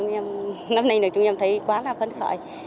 năm nay chúng em thấy quá là khấn khởi